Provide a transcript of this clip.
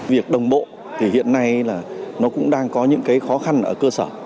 việc đồng bộ thì hiện nay nó cũng đang có những khó khăn ở cơ sở